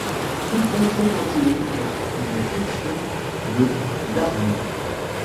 Toute fonction continue est une fonction de Darboux.